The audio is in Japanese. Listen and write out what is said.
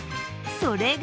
それが